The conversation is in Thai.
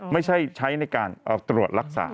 ไม่ใช่ใช้ในการตรวจรักษา